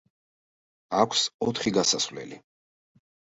აქვს ოთხი გასასვლელი.